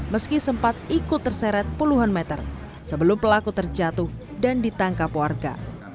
meski sempat ikut terseret puluhan meter sebelum pelaku terjatuh dan ditangkap warga